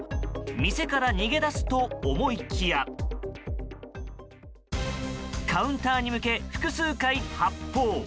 店から逃げ出すと思いきやカウンターに向け複数回、発砲。